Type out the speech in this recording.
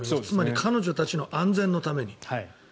つまり彼女たちの安全のために。